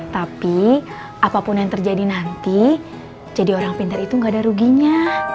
tapi apapun yang terjadi nanti jadi orang pintar itu gak ada ruginya